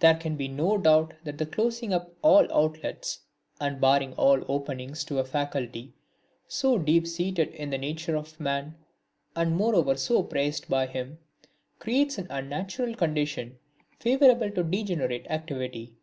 There can be no doubt that closing up all outlets and barring all openings to a faculty so deep seated in the nature of man, and moreover so prized by him, creates an unnatural condition favourable to degenerate activity.